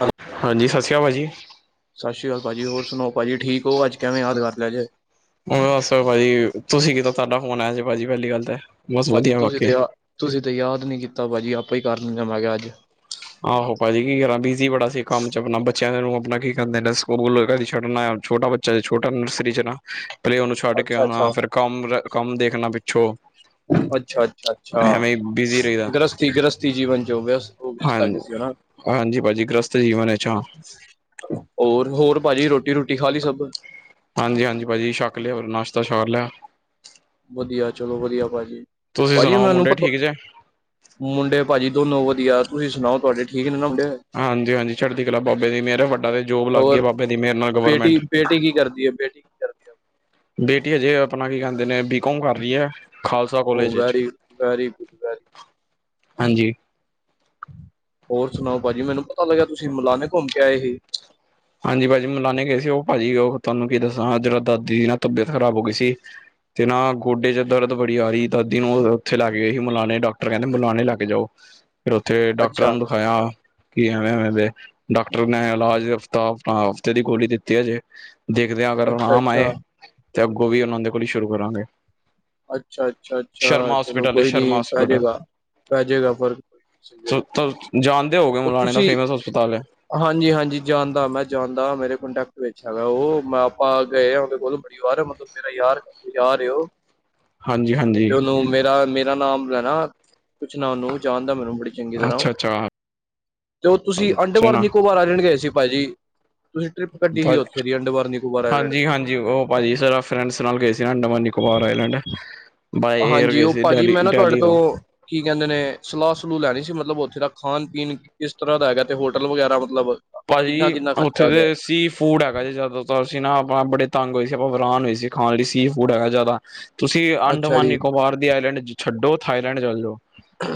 Hello ਹਾਂਜੀ, ਸਤਿ ਸ਼੍ਰੀ ਅਕਾਲ ਭਾਜੀ। ਸਤਿ ਸ੍ਰੀ ਅਕਾਲ ਭਾਜੀ, ਹੋਰ ਸੁਨਾਯੋ ਭਾਜੀ ਠੀਕ ਔ, ਅੱਜ ਕਿਵੇਂ ਯਾਦ ਕਰ ਲੇਯਾ ਜੇ। ਬਸ ਭਾਜੀ, ਤੁਸੀਂ ਕਿਦਾਂ, ਤੁਹਾਡਾ ਫੋਨ ਆਇਆ ਸੀ ਭਾਜੀ, ਪਹਿਲੀ ਗੱਲ ਤੇ ਭਾਜੀ, ਤੁਸੀਂ ਤੇ ਯਾ, ਤੁਸੀ ਤੇ ਯਾਦ ਨੀ ਕੀਤਾ ਭਾਜੀ ਆਪਾਂ ਈ ਕਰ ਲਿਨੇ ਆ, ਮੈ ਕੇਹਾ ਅੱਜ ਆਹੋ, ਭਾਜੀ ਕੀ ਕਰਾਂ ਬਿਜੀ਼ ਬੜਾ ਸੀ ਕੰਮ ਚ ਅਪਨਾ ਬੱਚੇਆਂ ਦੇ ਨੂੰ ਅਪਨਾ ਕੀ ਕੈਂਦੇ ਨੇ ਸੂਕੂਲ ਵਗੈਰਾ ਛੱਡਨਾ, ਛੋਟਾ ਬੱਚਾ ਹਜੇ ਚਾਏ ਛੋਟਾ ਨਰਸਰੀ ਚ ਹੈਨਾ, ਪਹਿਲੇ ਔਨੂੰ ਛੱਡ ਕੇ ਅੱਛਾ ਆਣਾ ਅੱਛਾ ਫੇਰ ਕੰਮ, ਕੰਮ ਦੇਖਨਾ। ਅੱਛਾ, ਅੱਛਾ, ਅੱਛਾ, ਐਵੇਂ ਬਿਜ਼ੀ ਗ੍ਰਸਤੀ, ਗ੍ਰਸਤੀ ਜੀਵਨ ਚ ਔ ਵਯਸਤ। ਹਾਂਨ, ਹਾਂਜੀ ਭਾਜੀ ਗ੍ਰਸਤ ਜੀਵਨ ਚ, ਹਾਂ। ਔਰ, ਹੋਰ ਭਾਜੀ ਰੋਟੀ ਰੂੱਟੀ ਖਾ ਲੀ ਸਬ? ਹਾਂਜੀ, ਹਾਂਜੀ ਭਾਜੀ ਸ਼ੱਕ ਲੇਆ ਹੋਰ ਨਾਸ਼ਤਾ ਸਾਰ ਲੇਆ? ਵਦੀਆ ਚਲੋ ਵਦੀਆ ਭਾਜੀ, ਤੁਸੀਂ ਭਾਜੀ ਸੁਣਾਓ ਮੈਨੂੰ ਮੁੰਡੇ ਪਤ ਠੀਕ ਜੇ ਮੁੰਡੇ ਭਾਜੀ ਦੋਨੋ ਵਦੀਆ, ਤੁਸੀਂ ਸੁਨਾਓ ਤੁਆਡੇ ਠੀਕ ਨੇ ਨਾ ਊੰ ਹਾਂਜੀ, ਹਾਂਜੀ ਚੜਦੀ ਕਲਾ ਬਾਬੇ ਦੀ ਮੇਰ ਐ ਵੱਡਾ ਤੇ ਜੋਬ ਲੱਗ ਗੀ ਏ ਬਾਬੇ ਦੀ ਮੇਰ ਨਾਲ ਗਵਰਮੈਂਟ। ਟੀ ਕੀ ਕਰਦੀ ਏ ਬੇਟੀ? ਕਰਦੀ ਹੈ ਬੇਟੀ ਅਜੇ, ਅਪਨਾ ਕੀ ਕੈਂਦੇ ਨੇ ਬੀਕੋਮ ਕਰ ਰੀ ਏ, ਖਾਲਸਾ ਉਹ ਕੋਲੇਜ ਚ। ਵੈਰੀ ਵੈਰੀ ਗੁੱਡ ਵੈਰੀ ਹਾਂਜੀ ਔਰ ਸੁਣਾਓ ਭਾਜੀ ਮੈਨੂੰ ਪਤਾ ਲੱਗਿਆ ਤੁਸੀਂ ਮੌਲਾਨੇ ਘੁੰਮ ਕੇ ਆਏ ਸੀ। ਹਾਂਜੀ ਭਾਅਜੀ ਮਲਾਨੇ ਗਏ ਸੀ ਉਹ ਭਾਜੀ ਉਹ ਤੁਹਾਨੂੰ ਕੀ ਦੱਸਾਂ ਜਰਾ ਦਾਦੀ ਦੀ ਨਾ ਤਬੀਅਤ ਖ਼ਰਾਬ ਹੋ ਗਈ ਸੀ। ਤੇ ਨਾ ਗੋਡੇ ਚ ਦਰਦ ਬੜੀ ਆ ਰਹੀ ਦਾਦੀ ਨੂੰ ਉੱਥੇ ਲੈ ਕੇ ਗਏ ਸੀ ਮੁਲਾਣੇ ਡਾਕਟਰ ਕਹਿੰਦੇ ਮੁਲਾਣੇ ਲੈ ਕੇ ਜਾਓ। ਫੇਰ ਉੱਥੇ ਅੱਛਾ ਡਾਕਟਰਾਂ ਨੂੰ ਦਿਖਾਇਆ ਕਿ ਐਵੇਂ-ਐਵੇਂ ਦੇ ਡਾਕਟਰ ਨੇ ਇਲਾਜ ਤਾਂ ਆਪਾਂ ਹਫ਼ਤੇ ਦੀ ਗੋਲੀ ਦਿੱਤੀ ਅਜੇ ਦੇਖਦੇ ਆਂ ਅਗਰ ਅੱਛਾ ਅਰਾਮ ਆਏ ਅੱਛਾ ਤੇ ਅੱਗੋਂ ਵੀ ਓਨਾਂ ਦੇ ਕੋਲ ਈ ਸ਼ੁਰੂ ਕਰਾਂਗੇ। ਅੱਛਾ, ਅੱਛਾ, ਅੱਛਾ ਸ਼ਰਮਾ ਚਲੋ ਹੋਸਪਿਟਲ ਹੈ ਕੋਈ ਸ਼ਰਮਾ ਨੀ ਪੈ ਹੋਸਪਿਟਲ ਜੇਗਾ। ਪੈ ਜੇਗਾ ਫਰਕ। ਤਾਂ ਜਾਨਦੇ ਹੋਗੇ ਉਹ ਮੁਲਾਣੇ ਦਾ ਤੁਸੀਂ ਫੇਮਸ ਹਸਪਤਾਲ ਐ। ਹਾਂਜੀ, ਹਾਂਜੀ ਜਾਨਦਾ ਮੈਂ ਜਾਨਦਾ, ਮੇਰੇ ਕੂੰਨਟੈਕਟ ਵਿੱਚ ਹੈਗਾ ਓ, ਮੈਂ ਆਪਾਂ ਗਏ ਆ ਓਦੇ ਕੋਲ। [unintelligible] ਮਤਲਬ ਮੇਰਾ ਯਾਰ, ਯਾਰ ਏ ਓ। ਹਾਂਜੀ ਹਾਂਜੀ ਤੇ ਓਨੂੰ ਮੇਰਾ, ਮੇਰਾ ਨਾਮ ਲੈਨਾ, ਪੂਛਨਾ ਓਨੂ ਜਾਨਦਾ ਮੈਨੂੰ ਬੜੀ ਅੱਛਾ, ਅੱਛਾ। ਜੋ ਤੁਸੀਂ ਅੰਡਵਾਰ ਨਿਕੋਵਾਰ ਆਏਰ ਲੈਂਡ ਗਏ ਸੀ ਭਾਜੀ? ਤੁਸੀਂ ਟ੍ਰਿਪ ਕੱਡੀ ਸੀ ਓਥੇ ਦੀ ਅੰਡਵਾਰ ਨਿਕੋਵਾਰ ਆਏਰ ਲੈਂਡ ਚ? ਓ ਭਾਜੀ ਜ਼ਰਾ ਫ੍ਰੈਡਸ ਨਾਲ ਗਏ ਸੀ Andaman, Nicobar island. By air ਹਾਂਜੀ, ਗਏ ਓ ਸੀ ਭਾਜੀ ਡੈਲੀ ਮੈਂ ਨਾ ਤੁਆਡੇ ਡੈਲੀ ਤੋਂ ਕੀ ਕੈਂਦੇ ਨੇ, ਸਲਾ ਸਲੂ ਲੈਣੀ ਸੀ ਮਤਲਬ ਓਥੇ ਦਾ ਖਾਨ-ਪੀਨ ਕਿਸ ਤਰਾਂ ਦਾ ਹੈਗਾ, ਤੇ ਹੋਟਲ ਵਗੈਰਾ ਮਤਲਬ? ਕਿੰਨਾ ਭਾਜੀ, ਕਿੰਨਾ ਖਰਚਾ ਓਥੇ ਆ ਗਿਆ ਦੇ ਸੀਫ ਫੂਡ ਹੈਗਾ ਜੇ ਜਆਦਾਤਰ, ਅਸੀ ਨਾ ਆਪਾਂ ਬੜੇ ਤੰਗ ਹੋਏ ਸੀ ਆਪਾਂ ਵਰਾਨ ਹੋਏ ਸੀ ਖਾਨ ਲਈ ਸੀ ਫੂਡ ਹੈਗਾ ਜਾਦਾ। ਤੁਸੀ ਅੱਛਾ ਅੰਡਮਾਨ ਜੀ ਨਿਕੋਬਾਰ ਦੀ ਆਈਲੈਂਡ ਛੱਡੋ, ਥਾਈਲੈਂਡ ਚੱਲ ਜੋ।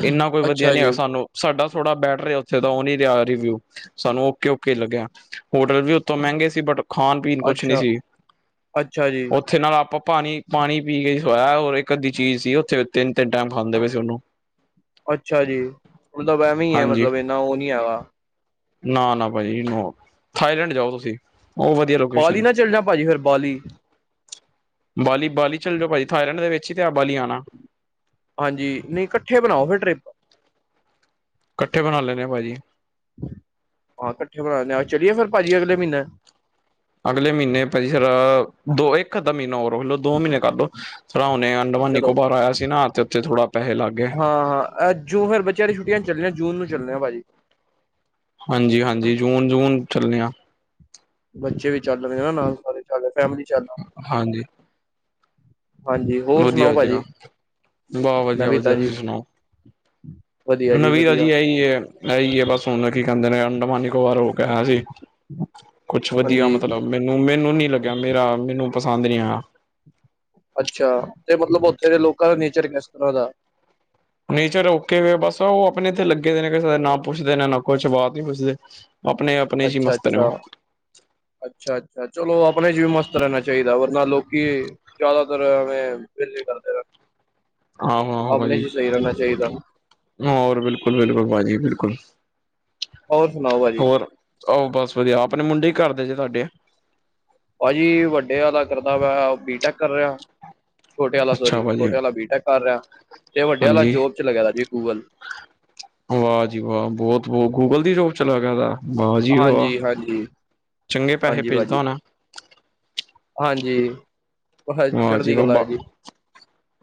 ਇੰਨਾ ਕੋਈ ਵਦੀਆ ਅੱਛਾ ਨੀ ਐ ਜੀ ਸਾਨੂੰ ਸਾਡਾ ਥੋੜਾ ਬੈਟਰ ਏ ਓਥੇ ਦਾ ਓ ਨੀ ਰੇਆ ਰਿਵਿਊ ਸਾਨੂੰ ਕਿ ਉਕੇ ਲੱਗਿਆ, ਹੋਟਲ ਵੀ ਉਤੋਂ ਮੈਂਗੇ ਸੀ ਬਟ ਖਾਨ-ਪੀਣ ਕੁੱਛ ਨੀ ਅੱਛਾ ਸੀ, ਅੱਛਾ ਜੀ ਓਥੇ ਨਾ ਆਪਾ ਪਾਣੀ, ਪਾਣੀ ਪੀ ਕੇ ਸੋਇਆ ਔਰ ਏਕ ਅੱਧੀ ਚੀਜ਼ ਸੀ ਓਥੇ, ਤਿੰਨ-ਤਿੰਨ ਟੈਮ ਖਾਂਦੇ ਪੇ ਸੀ ਓਨੂੰ। ਅੱਛਾ ਜੀ, ਮਤਲਬ ਐਵੇਂਈ ਏ ਹਾਂਜੀ ਮਤਲਬ ਏਨਾ ਓ ਨੀ ਹੈਗਾ। ਨਾ, ਨਾ ਭਾਜੀ ਨੋ, ਥਾਈਲੈਂਡ ਜਾਓ ਤੁਸੀ। ਬਾਲੀ ਨਾ ਚੱਲਜਾਂ ਭਾਜੀ ਫੇਰ ਬਾਲੀ। ਬਾਲੀ, ਬਾਲੀ ਚੱਲ ਜੋ ਭਾਜੀ ਥਾਈਲੈਂਡ ਦੇ ਵਿੱਚ ਈ ਤੇ ਐ ਬਾਲੀ ਆਨਾ। ਹਾਂਜੀ, ਨਈ ਕੱਠੇ ਬਨਾਓ ਫੇਰ ਟ੍ਰਿਪ। ਇਕੱਠੇ ਬਣਾ ਲੈਣੇ ਭਾਜੀ ਹਾਂ, ਕੱਠੇ ਬਨਾਨੇ ਆ, ਚਲੀਏ ਫੇਰ ਭਾਜੀ ਅਗਲੇ ਮੀਨੇ? ਅਗਲੇ ਮੀਨੇ ਭਾਜੀ ਜ਼ਰਾ, ਦੋ ਇੱਕ ਅੱਧਾ ਮੀਨਾ ਹੋਰ ਰੁਕ ਲੋ। ਦੋ ਮੀਨੇ ਕਡੋ ਸਰਾਂ ਹੁਣੇ ਅੰਡਵਾਨ- ਚਲੋ ਨਿਕੋਬਾਰ ਆਯਾ ਸੀ ਨਾ ਤੇ ਓੱਥੇ ਥੋੜਾ ਪੈਹੇ ਲੱਗ ਗੇ। ਅ ਜੂ, ਫੇਰ ਬੱਚੇਆਂ ਦੀ ਛੁਟੀਆਂ ਚੱਲਨੇ ਆਂ ਜੂਨ ਨੂੰ ਚੱਲਨੇ ਆ ਭਾਜੀ। ਹਾਂਜੀ, ਹਾਂਜੀ ਜੂਨ, ਜੂਨ ਚੱਲਨੇ ਆ। ਬੱਚੇ ਵੀ ਚੱਲ ਰੇਨਾ ਨਾਲ, ਸਾਰੇ ਚੱਲ ਫੈ਼ਮਲੀ ਚੱਲ ਹਾਂਜੀ। ਹਾਂਜੀ ਹੋਰ ਸੁਣਾਓ ਵਧੀਆ ਜਗ੍ਹਾ ਭਾਜੀ ਵਾਹ ਵਧੀਆ ਨਵੀ ਤਾਜੀ। ਵਧੀਆ ਨਵੀਰਾ ਵਧੀਆ ਜੀ ਐਈ ਐ, ਐਈ ਆ ਬਸ ਹੁਣ ਕੀ ਕਹਿੰਦੇ ਨੇ ਅੰਡਮਾਨ ਨੀਕੋਵਾਰ ਉਹ ਕਿਹਾ ਸੀ ਕੁਛ ਵਧੀਆ ਹਾਂਜੀ ਮਤਲਬ ਮੈਨੂੰ-ਮੈਨੂੰ ਨੀ ਲੱਗਿਆ ਮੇਰਾ ਮੈਨੂੰ ਪਸੰਦ ਨੀ ਆਇਆ। ਅੱਛਾ ਤੇ ਮਤਲਬ ਉੱਥੇ ਦੇ ਲੋਕਾਂ ਦਾ ਨੇਚਰ ਕਿਸ ਤਰ੍ਹਾਂ ਦਾ ਨੇਚਰ ਓਕੇ ਵੇ ਬਸ ਉਹ ਆਪਣੇ ਇੱਥੇ ਲੱਗੇ ਦੇ ਨੇ ਕਿਸੇ ਨਾ ਪੁੱਛਦੇ ਨੇ ਨਾ ਕੁਛ ਬਾਤ ਨੀ ਪੁੱਛਦੇ ਆਪਣੇ ਆਪਣੇ ਚ ਹੀ ਮਸਤ ਨੇ ਅੱਛਾ-ਅੱਛਾ ਉਹ ਅੱਛਾ-ਅੱਛਾ ਚਲੋ ਆਪਣੇ ਚ ਵੀ ਮਸਤ ਰਹਿਣਾ ਚਾਹੀਦੈ ਵਰਨਾ ਲੋਕੀ ਜ਼ਿਆਦਾਤਰਵੇਂ ਫਿਲ ਕਰਦੇ ਰ ਆਹੋ ਆਹੋ ਆਪਣੇ ਭਾਜੀ ਚ ਸਹੀ ਰਹਿਣਾ ਚਾਹੀਦਾ। ਹੋਰ ਬਿਲਕੁਲ-ਬਿਲਕੁਲ ਭਾਜੀ ਬਿਲਕੁਲ ਹੋਰ ਸੁਣਾਓ ਭਾਜੀ ਹੋਰ ਆਹੋ ਬਸ ਵਧੀਆ ਆਪਣੇ ਮੁੰਡੇ ਕੀ ਕਰਦੇ ਜੇ ਤੁਹਾਡੇ ਭਾਜੀ, ਵੱਡੇ ਆਲਾ ਕਰਦਾ ਪਯਾ, ਬੀਟੈਕ ਕਰ ਰਿਹਾ ਓਹ ਛੋਟੇ ਆਲਾ ਅੱਛਾ ਸੋਰੀ, ਭਾਜੀ ਛੋਟੇ ਆਲਾ ਬੀਟੈਕ ਕਰ ਰਯਾ, ਤੇ ਵੱਡੇ ਆਲਾ ਹਾਂਜੀ। ਜੋਬ ਚ ਲਗਯਾ ਦਾ ਜੀ ਗੂਗਲ। ਵਾ ਜੀ ਵਾ, ਬੋਤ ਬੋ ਗੂਗਲ ਦੀ ਜੋਬ ਚਲਾ ਗਿਆ ਦਾ। ਵਾਹ ਜੀ ਵਾਹ। ਹਾਂਜੀ, ਹਾਂਜੀ। ਚੰਗੇ ਪੈਸੇ ਹਾਂਜੀ ਭੇਜਦਾ ਭਾਜੀ, ਹੋਣਾ ਹਾਂਜੀ। ਬਸ ਵਾ ਜੀ ਚੜ੍ਹਦੀ ਕਲਾ ਬਾਬਾ,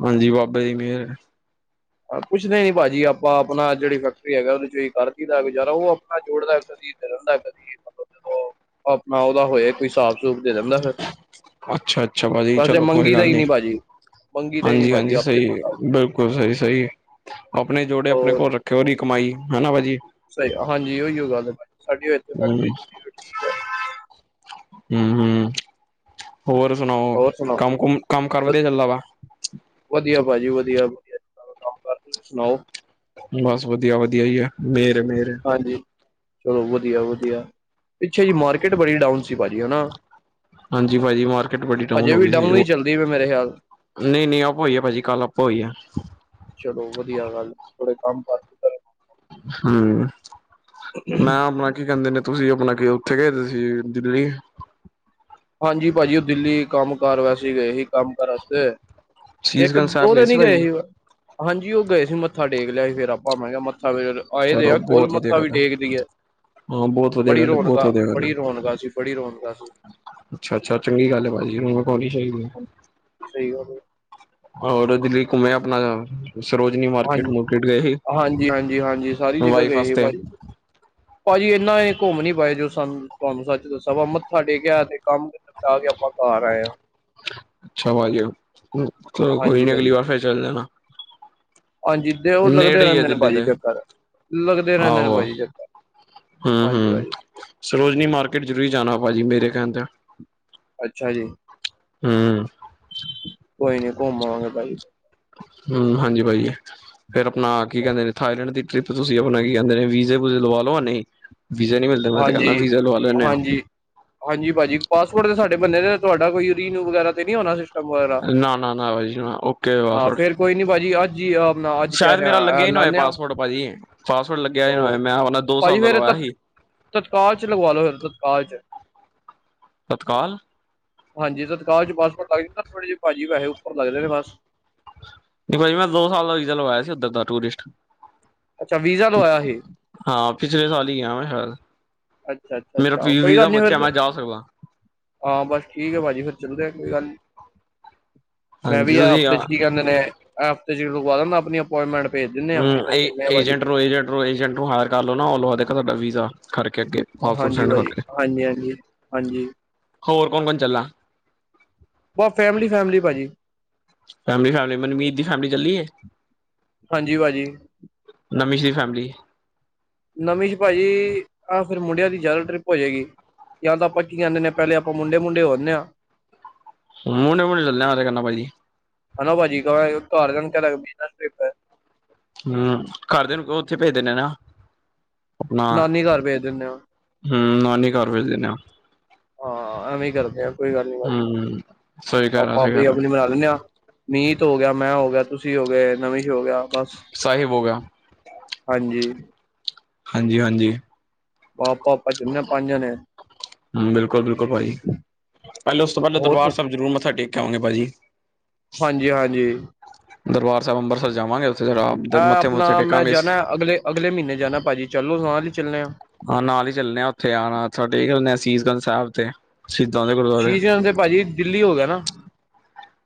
ਹਾਂਜੀ ਬਾਬੇ ਦੀ ਮੇਰ ਐ [inaudible] ਕੁਛ ਨੀ ਭਾਜੀ ਆਪਾਂ ਆਪਣਾ ਜਿਹੜੀ ਫੈਕਟਰੀ ਹੈਗਾ ਉਹਦੇ ਚ ਕਰ ਲੀ ਦਾ ਗੁਜ਼ਾਰਾ ਉਹ ਆਪਣਾ ਜੋੜਦਾ ਦਾ ਕਦੀ [unintelligible] ਜਦੋਂ ਆਪਣਾ ਉਹਦਾ ਹੋਏ ਕੋਈ ਸਾਬ ਸੂਬ ਦੇ ਦੇਂਦਾ ਫੇਰ ਅੱਛਾ-ਅੱਛਾ ਭਾ ਜੀ ਚਲੋ ਕੋਈ ਗੱਲ ਨੀ। ਮੰਗੀ ਦਾ ਹੀ ਨੀ ਹਾਂਜੀ- ਭਾਜੀ ਹਾਂਜੀ ਆਪੇ ਸਹੀ ਤੁਹਾਡਾ ਬਿਲਕੁਲ ਸਹੀ- ਸਹੀ ਆਪਣੇ ਜੋੜੇ ਆਪਣੇ ਹੋਰ ਕੋਲ ਰੱਖ ਉਹਦੀ ਕਮਾਈ ਹਨਾ ਭਾਅ ਜੀ ਸਹੀ ਹਾਂਜੀ ਉਹੀ ਉਹ ਗੱਲ ਬ ਸਾਡੀ ਹਮ ਫੈਕਟਰੀ ਜੁੱਤੀ ਹੋਈ। ਹਮ ਹਮ ਹੋਰ ਸੁਣਾਓ ਹੋਰ ਸੁਣਾਓ ਕੰਮਕੁਮ ਕੰਮ ਕਰ ਵ ਵਧੀਆ ਚੱਲਦਾ ਵਧੀਆ ਭਾਜੀ ਵਧੀਆ ਵਧੀਆ ਕੰਮ ਕਰ ਤੁਸੀਂ ਸੁਣਾਓ ਬਸ ਵਧੀਆ- ਵਧੀਆ ਹੀ ਹੈ। ਮੇਰ ਏ ਮੇਰ ਹਾਂਜੀ ਚਲੋ ਵਧੀਆ-ਵਧੀਆ ਪਿੱਛੇ ਜੀ ਮਾਰਕੀਟ ਬੜੀ ਡਾਊਨ ਸੀ ਭਾਜੀ ਹਨਾ ਹਾਂਜੀ ਭਾਜੀ ਮਾਰਕੀਟ ਵੱਡੀ ਡਾਊਨ ਹਜੇ ਹੋ ਵੀ ਗਈ ਸੀ ਹੀ ਉਹ ਚੱਲਦੀ ਮੇਰੇ ਖਿਆਲ ਨਹੀਂ ਨਹੀਂ ਆਪਾਂ ਹੋਈਏ ਭਾਜੀ ਕੱਲ ਆਪਾਂ ਹੋਈਏ। ਚਲੋ ਵਧੀਆ ਗੱਲ ਥੋੜੇ ਕੰਮ ਕਰ ਹਮ ਮੈਂ ਆਪਣਾ ਕੀ ਕਹਿੰਦੇ ਨੇ ਤੁਸੀਂ ਆਪਣਾ ਉੱਥੇ ਗਏਦੇ ਸੀ ਦਿੱਲੀ ਹਾਂਜੀ ਭਾਜੀ ਉਹ ਦਿੱਲੀ ਕੰਮ ਕਾਰ ਵੈਸੇ ਗਏ ਸੀ। ਕੰਮ ਕਾਰ ਵਾਸਤੇ ਇੱਕ ਸੀਸਗੰਜ ਸਾਹਿਬ ਦੋ ਦਿਨ ਹੀ ਗਏ ਭਾਜੀ ਸੀ ਵ ਹਾਂਜੀ ਉਹ ਗਏ ਸੀ, ਮੱਥਾ ਟੇਕ ਲਿਆ ਸੀ, ਫ਼ਿਰ ਆਪਾਂ ਮੈਂ ਕਿਹਾ ਮੱਥਾ ਫਿਰ ਆਏ ਦੇ ਚਲੋ ਆ ਕੋਲ ਬਹੁਤ ਵਧੀਆ ਮੱਖਾ ਵੀ ਗੱਲ ਟੇਕਦੀ ਹੈ। ਹਾਂ ਬਹੁਤ ਵਧੀਆ ਬੜੀ ਗੱਲ ਹੈ ਰੌਣਕ, ਬਹੁਤ ਵਧੀਆ ਗੱਲ ਹੈ ਬੜੀ ਰੌਣਕ ਸੀ, ਬੜੀ ਰੌਣਕ ਸੀ, ਅੱਛਾ-ਅੱਛਾ ਚੰਗੀ ਗੱਲ ਹੈ, ਭਾਜੀ ਪਾਣੀ ਚਾਹੀਦੀ ਹੈ। ਸਹੀ ਗੱਲ ਹੈ। ਹੋਰ ਦਿੱਲੀ ਘੁੰਮਿਆ ਆਪਣਾ ਸਰੋਜਨੀ ਹਾਂਜੀ ਮਾਰਕੀਟ ਮੁਰਕੀਟ ਗਏ ਸੀ, ਹਾਂਜੀ ਹਾਂਜੀ ਹਾਂਜੀ ਸਾਰੀ ਜਗ੍ਹਾ ਵਾਈਫ ਗਏ ਸੀ ਆਸਤੇ ਭਾਜੀ ਭਾਜੀ ਇਨਾ ਇਹ ਘੁੰਮ ਨੀ ਪਾਏ ਜੋ ਸਾਨੂੰ ਤੁਹਾਨੂੰ ਸੱਚ ਦੱਸ ਵਾ ਮੱਥਾ ਟੇਕਿਆ ਤੇ ਕੰਮ ਜਾ ਕੇ ਆਪਾਂ ਘਰ। ਆਏ ਹਾਂ ਅੱਛਾ ਭਾਜੀ ਚਲੋ ਕੋਈ ਹਾਂਜੀ ਨਹੀਂ ਅਗਲੀ ਭਾਜੀ ਵਾਰ ਫੇਰ ਚੱਲ ਜਾਣਾ। ਹਾਂਜੀ ਤੇ ਉਹ ਲੱਗਦੇ ਨੇੜੇ ਹੀ ਹੈ ਰਹਿੰਦੇ ਨੇ ਦਿੱਲੀ ਭਾਜੀ ਤੇ ਚੱਕਰ ਲੱਗਦੇ ਰਹਿੰਦੇ ਨੇ ਭਾਜੀ ਚੱਕਰ। ਹੂੰ ਹਾਂਜੀ ਹੂੰ ਭਾਜੀ ਸਰੋਜਨੀ ਮਾਰਕੀਟ ਜ਼ਰੂਰੀ ਜਾਣਾ ਭਾਜੀ ਮੇਰੇ ਕਹਿਣ ਤੇ। ਅੱਛਾ ਜੀ ਹੂੰ-ਹੂੰ ਕੋਈ ਨੀ ਘੁੰਮ ਆਵਾਂਗੇ ਭਾਜੀ। ਹੂੰ ਹਾਂਜੀ ਭਾਜੀ। ਫੇਰ ਆਪਣਾ ਕੀ ਕਹਿੰਦੇ ਨੇ ਥਾਈਲੈਂਡ ਦੀ ਟਰਿੱਪ ਤੁਸੀਂ ਆਪਣਾ ਕੀ ਕਹਿੰਦੇ ਨੇ ਵੀਜ਼ੇ ਵੂਜੇ ਲਵਾ ਲਓ ਹੁਣੇ ਈ ਵੀਜ਼ੇ ਨਹੀਂ ਮਿਲਦੇ ਮੈਂ ਤਾਂ ਕਹਿੰਦਾ ਹਾਂਜੀ ਵੀਜ਼ਾ ਲਵਾ ਲੈਣੇ ਹਾਂ। ਹਾਂਜੀ ਹਾਂਜੀ ਭਾਜੀ ਪਾਸਪੋਰਟ ਤੇ ਸਾਡੇ ਬੰਨੇ ਦੇ ਤੁਹਾਡਾ ਕੋਈ ਰੀਨਿਊ ਵਗੈਰਾ ਤੇ ਨਹੀਂ ਹੋਣਾ ਕੁਛ ਨਾ, ਨਾ, ਨਾ, ਬਾਈ ਜੀ ਓਕੇ। ਹਾਂ ਫੇਰ ਕੋਈ ਨੀ ਭਾਜੀ ਅੱਜ ਹੀ ਆਪਣਾ ਅੱਜ ਕਹਿ ਰਿਹਾ ਲਾਣੇ ਹਾਂ। ਫ੍ਰੀ ਆ ਪਾਸਵਰਡ ਲੱਗਿਆ ਹੋਇਆ ਸੀ, ਮੈਂ ਦੋ ਸਾਲ ਭਾਜੀ ਦਾ ਫੇਰ ਤ ਲਵਾਇਆ ਸੀ। ਤਤਕਾਲ 'ਚ ਲਗਵਾ ਲੋ ਫਿਰ ਤਤਕਾਲ 'ਚ। ਤਤਕਾਲ। ਹਾਂ ਤੇ ਦਕਾਹ ਚ ਪਾਸਪੋਟ ਲੱਗ, ਜਾਂ ਥੋੜੇ ਜੇ ਭਾਜੀ ਵੈੇ ਉੱਪਰ ਲਗਦੇ ਨੇ ਬਸ ਨਹੀਂ ਭਾਜੀ ਮੈਂ ਦੋ ਸਾਲ ਵੀਜ਼ਾ ਲਵਾਇਆ ਸੀ, ਉੱਧਰ ਦਾ ਟੂਰਿਸਟ। ਅੱਛਾ ਵੀਜ਼ਾ ਲਇਆ ਸੀ। ਹਾਂ ਪਿਛਲੇ ਸਾਲ ਹੀ ਗਿਆ, ਅੱਛਾ ਅੱਛਾ ਮੇਰਾ ਅੱਛਾ ਕੋਈ ਵੀਹ ਦਾ ਗੱਲ ਨੀ ਫਿਰ ਬੱਚਾ ਤੇ ਮੈਂ ਜਾ ਸਕਦਾ। ਹਾਂ ਬਸ ਠੀਕ ਹੈ, ਭਾਜੀ ਫਿਰ ਚੱਲੂਗੇ ਕੋਈ ਗੱਲ ਨ ਮੈਂ ਹਾਂਜੀ ਵੀ ਆ ਤੁਸੀਂ ਹਫ਼ਤੇ ਚ' ਕੀ ਕਹਿੰਦੇ ਨੇ ਹਫ਼ਤੇ ਚ' ਲਗਵਾ ਦਿੰਦਾ ਆਪਣੀ ਅਪਾਰਟਮੈਂਟ ਭੇਜ ਦਿਨੇ ਆ ਫੇਰ ਚੱਲੇ ਭਾਜੀ ਉਦਰੋ ਏਜੰਟ ਨੂੰ ਹਾਇਰ ਕਰ ਲਉ, ਨਾ ਉਹ ਲਵਾ ਦੇਗਾ ਤੁਹਾਡਾ ਵੀਜ਼ਾ। ਖਰਕੇ ਹਸੂਡ ਹਾਂਜੀ ਸੈਡ ਹੋਰ ਭਾਜੀ ਹਾਂਜੀ ਹਾਂਜੀ ਹਾਂਜੀ ਕੋਣ-ਕੋਣ ਚੱਲਾ। ਬਸ ਫੈਮਿਲੀ-ਫੈਮਿਲੀ ਭਾਜੀ। ਫੈਮਿਲੀ-ਫੈਮਿਲੀ ਮਨਮੀਤ ਦੀ ਫੈਮਿਲੀ ਚੱਲੀ ਹੈ। ਹਾਂਜੀ ਭਾਜੀ ਨਮੀਸ਼ ਦੀ ਫੈਮਿਲੀ। ਨਵੀਂਸ ਭਾਜੀ ਆਹ ਫਿਰ ਮੁੰਡਿਆਂ ਦੀ ਜ਼ਿਆਦਾ ਟ੍ਰਿਪ ਹੋ ਜਾਏਗੀ। ਜਾਂ ਤਾਂ ਆਪਾਂ ਕੀ ਕਹਿੰਦੇ ਹਾਂ, ਪਹਿਲੇ ਆਪਾਂ ਮੁੰਡੇ ਮੁੰਡੇ ਹੁੰਦੇ ਹਾਂ। ਮੁੰਡੇ-ਮੁੰਡੇ ਚੱਲਿਆ ਮੈਂ ਤਾਂ ਕਹਿੰਨਾਂ ਭਾਈ ਜੀ। ਹਨਾ, ਭਾਜੀ ਕਿਉਂ ਘਰਦਿਆਂ ਨੂੰ ਕਹਿ ਦਿਆਂਗੇ ਬਿਜ਼ਨਸ ਟ੍ਰਿਪ ਹੈ। ਹੂੰ ਘਰਦਿਆ ਨੂੰ ਕਹੂੰ ਉੱਥੇ ਭੇਜ ਦਿੰਨੇ ਆ ਨਾ। ਨਾਨੀ ਘਰ ਭੇਜ ਦਿੰਦੇ ਹਾਂ ਹੂੰ ਨਾਨੀ ਘਰ ਭੇਜ ਦਿੰਨਾ ਆ। ਹਾਂ ਐਵੇਂ ਕਰਦੇ ਆ ਕੋਈ ਗੱਲ ਨੀ ਭਾਜੀ ਆਪਾਂ ਆਪਣੀ ਆਪਣੀ। ਤਾਨਿਆ, ਮੀਂਹਤ ਹੋ ਗਿਆ, ਮੈਂ ਹੋ ਗਿਆ, ਤੁਸੀਂ ਹੋ ਗਏ, ਨਵਿਸ਼ ਹੋ ਗਿਆ ਬਸ। ਸਾਹਿਬ ਹੋ ਗਿਆ। ਹਾਂਜੀ। ਹਾਂਜੀ, ਹਾਂਜੀ। ਮਾਂ ਬਾਪ। ਹਾਂ ਬਿਲਕੁਲ-ਬਿਲਕੁਲ ਭਾਜੀ। ਪਹਿਲੇ ਉਸ ਤੋਂ ਪਹਿਲੇ ਹੋਰ ਦਰਬਾਰ ਸੁ- ਸਾਹਿਬ ਜ਼ਰੂਰ ਮੱਥਾ ਟੇਕ ਕੇ ਆਵਾਂਗੇ ਭਾਜੀ। ਹਾਂਜੀ, ਹਾਂਜੀ। ਦਰਬਾਰ ਸਾਹਿਬ ਅੰਮ੍ਰਿਤਸਰ ਜਾਵਗੇ ਉੱਥੇ ਜ਼ਰਾ। ਆ ਆਪਣਾ ਮੈਂ ਜਾਣਾ ਅਗਲੇ ਅਗਲੇ ਮਹੀਨੇ ਜਾਣਾ ਭਾਜੀ ਚੱਲੋ ਨਾਲ ਚੱਲੇ ਆ। ਹਾਂ ਨਾਲ ਹੀ ਚੱਲਣੇ ਆ ਉੱਥੇ ਆਉਣਾ ਮੱਥਾ ਟੇਕ ਆਉਣੇ ਹਾ। ਅਸੀਸ ਗੰਜ ਸਾਹਿਬ ਤੇ। ਸ਼ਹੀਦਾਂ ਦੇ ਗੁਰਦੁਆਰੇ। ਸ਼ੀਸ਼ ਗੰਜ ਤੇ ਭਾਜੀ ਦਿੱਲੀ ਹੋ ਗਿਆ ਨਾ।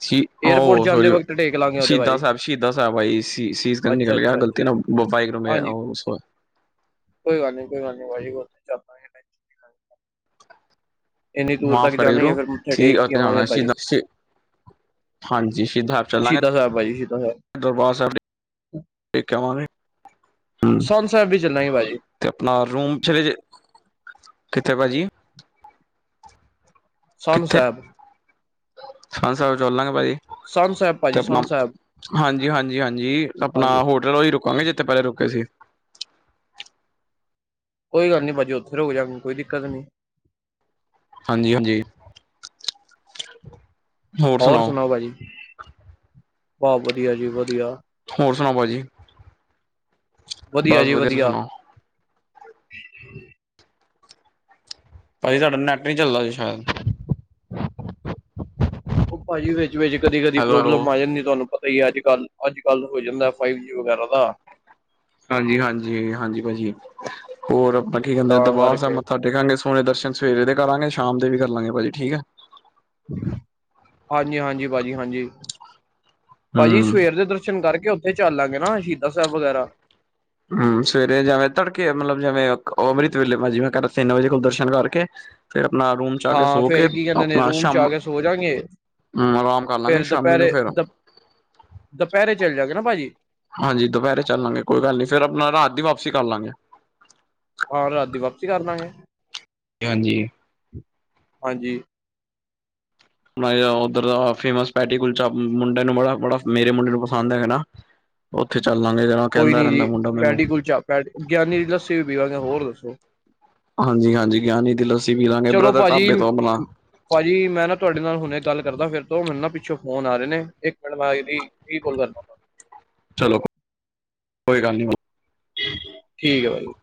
ਸ਼ੀਸ਼ ਏਅਰਪੋਰਟ ਉਹ ਜਾਂਦੇ ਸ਼ੋਰੀ। ਵਕਤ ਟੇਕ ਲਾਂਗੇ ਉਹ ਤੇ ਸ਼ਹੀਦਾਂ ਭਾਜੀ ਸਾਹਿਬ ਸ਼ਹੀਦਾਂ ਸਾਹਿਬ ਭਾਜੀ ਸ਼ੀਸ਼ ਗੰਜ ਨਹੀਂ ਅੱਛਾ ਨਿਕਲ ਗਿਆ, ਅੱਛਾ ਗਲਤੀ ਅੱਛਾ ਨਾ ਉਹ ਮੈਂ ਹਾਂਜੀ ਵਾਹਿਗੁਰੂ ਸ਼ੋਰੀ। ਕੋਈ ਗੱਲੀ ਕੋਈ ਗੱਲੀ ਭਾਜੀ ਉੱਥੇ ਵੀ ਚੱਲਾਂਗੇ। ਇੰਨੀ ਦੂਰ ਮਾਫ਼ ਤੱਕ ਕਰੀ ਜਾਣਾ ਹੀ ਵਾਹਿਗੁਰੂ ਹੈ ਫਿਰ ਮੱਥੇ ਟੇਕ ਕੇ ਉੱਥੇ ਆਣਾ ਆਵਾਂਗੇ ਭਾਜੀ ਸ਼ਹੀਦਾਂ ਸ਼ਹੀਦ। ਹਾਂਜੀ, ਸ਼ਹੀਦਾਂ ਸਾਹਿਬ ਚੱਲਾਂਗੇ ਸ਼ਹੀਦਾਂ ਸਾਹਿਬ ਭਾਜੀ ਸ਼ਹੀਦਾਂ ਸਾਹਿਬ ਦਰਬਾਰ ਸਾਹਿਬ। ਟੇਕ ਆਵਾਗੇ। ਸੋਨ ਸਾਹਿਬ ਵੀ ਚੱਲਾਂਗੇ, ਭਾਜੀ। ਉੱਥੇ ਆਪਣਾ ਰੂਮ ਵੀ ਜੇ ਕਿੱਥੇ ਭਾਜੀ। [unintelligible] [unintelligible] ਸਹਿਬ ਚਲਾਂਗੇ ਭਾਜੀ ਸੰਨ ਸਾਹਿਬ ਤੇ ਭਾਜੀ ਆਪਣਾ ਸੰਨ ਸਾਹਿਬ ਹਾਂਜੀ, ਹਾਂਜੀ, ਹਾਂਜੀ, ਆਪਣਾ ਹਾਂਜੀ ਹੋਟਲ ਉਈ ਰੁਕਾਂਗੇ, ਜਿੱਥੇ ਪਹਿਲੇ ਰੁਕੇ ਸੀ। ਕੋਈ ਗੱਲ ਨੀ ਭਾਜੀ, ਉੱਥੇ ਰੋਕ ਜਾਗੇ ਕੋਈ ਦਿੱਕਤ ਨੀ ਹਾਂਜੀ, ਹਾਂਜੀ ਹੋਰ ਸੁਣਾਓ ਭਾਜੀ ਬਸ ਵਧੀਆ ਜੀ ਵਧੀਆ ਹੋਰ ਸੁਣਾਓ ਭਾਜੀ ਬਸ ਵਧੀਆ ਤੁਸੀ ਸੁਣਾਓ ਭਾਜੀ ਸਾਡਾ ਨੈਟ ਨੀ ਚੱਲਦਾ ਸੀ ਸ਼ਾਇਦ ਓ ਭਾਜੀ ਵਿੱਚ ਕਦੀ ਕਦੀ ਹੈਲੋ ਹੈਲੋ ਪ੍ਰੋਬਲਮ ਆ ਜਾਂਦੀ ਤੁਹਾਨੂੰ ਪਤਾ ਈ ਅੱਜ ਕੱਲ ਅੱਜ ਕੱਲ ਹੋ ਜਾਂਦਾ ਫਾਈਵ ਜੀ ਵਗੈਰਾ ਦਾ ਹਾਂਜੀ ਹਾਂਜੀ ਹਾਂਜੀ ਭਾਜੀ ਹੋਰ ਆਪਾਂ ਕੀ ਕਹਿੰਦੇ ਤਾਂ ਦਰਬਾਰ ਸਾਹਿਬ ਕਰਕੇ ਮੱਥਾ। ਦੇਖਾਂਗਾ ਸੋਣੇ ਦਰਸ਼ਨ ਸਵੇਰੇ ਦੇ ਕਰਾਂਗੇ ਸ਼ਾਮ ਤੇ ਵੀ ਕਰਾਂਗੇ ਭਾਜੀ ਠੀਕ ਹੈ। ਹਾਂਜੀ ਹਾਂਜੀ ਭਾਜੀ ਹਾਂਜੀ। ਭਾਜੀ ਹਮ ਸਵੇਰ ਦੇ ਦਰਸ਼ਨ ਕਰਕੇ ਉੱਥੇ ਚੱਲਾਂਗੇ ਨਾ ਸ਼ਹੀਦਾਂ ਸੇਬ ਵਗੈਰਾ ਹੂੰ ਸਵੇਰੇ ਜਵੇਂ ਤੜਕੇ ਮਤਲਬ ਜਿਵੇਂ ਅੰਮ੍ਰਿਤ ਵੇਲੇ ਮ ਜਿਵੇਂ ਕਰ ਤਿੰਨ ਵਜੇ ਕੋਲ ਦਰਸ਼ਨ ਕਰਕੇ ਫਿਰ ਆਪਣਾ ਰੂਮ ਚ ਆ ਕੇ ਹਾਂ ਸੋ ਕੇ ਫੇਰ ਕੀ ਕਹਿੰਦੇ ਨੇ ਆਪਣਾ ਰੂਮ ਚ ਸ਼ਾਮ ਆ ਕੇ ਸੋ ਜਾਗੇ ਹੂੰ ਆਰਾਮ ਕਰ ਲਾਂਗੇ ਸ਼ਾਮੀ ਨੂੰ ਫਿਰ ਦੁਪਹਰੇ ਚੱਲ ਜਾਗੇ ਨਾ ਭਾਜੀ ਹਾਂਜੀ ਦੁਪਹਿਰੇ ਚੱਲ ਲਾਂਗੇ ਕੋਈ ਗੱਲ ਨੀ ਫਿਰ ਆਪਣਾ ਰਾਤ ਦੀ ਵਾਪਸੀ ਕਰ ਲਾਂਗੇ ਹਾਂ ਰਾਤ ਦੀ ਵਾਪਸੀ ਕਰਦਾਂਗੇ ਹਾਂਜੀ ਹਾਂਜੀ ਉੱਧਰ ਦਾ ਫੇਮਸ ਪੈਟੀ ਕੁਲਚਾ ਮੁੰਡੇ ਨੂੰ ਬੜਾ ਬੜਾ ਮੇਰੇ ਮੁੰਡੇ ਨੂੰ ਪਸੰਦ ਹੈਗਾ ਨਾ [inaudible] ਉੱਥੇ ਚੱਲਾਂਗੇ ਜ ਕਹਿੰਦਾ ਰਹਿੰਦਾ ਮੁੰਡਾ ਮੈਨੂੰ ੈ ਗਿਆਨੀ ਦੀ ਲੱਸੀ ਵੀ ਪੀਵਾਂਗੇ ਹੋਰ ਦੱਸੋ ਹਾਂਜੀ, ਹਾਂਜੀ ਗਿਆਨੀ ਦੀ ਲੱਸੀ ਪੀ ਲਾਂਗੇ ਚਲੋ ਬ੍ਰਦਰ ਭਾਜੀ ਟਾਬੇ ਤੋਂ ਅਪਣਾ ਭਾਜੀ ਮੈਂ ਨਾ ਤੁਹਾਡੇ ਨਾਲ ਹੁਣੇ ਗੱਲ ਕਰਦਾ ਫਿਰ ਤੋਂ ਮੈਨੂੰ ਨਾ ਪਿੱਛੋਂ ਫੋਨ ਆ ਰੇ ਨੇ ਇੱਕ ਮਿੰਟ ਮੈਂ ਆਈ ਵੀ ਕੋਲ ਕਰਦਾ [unintelligible] ਚਲੋ ਕੋਈ ਗੱਲ ਨੀ ਠੀਕ ਏ ਬਾਈ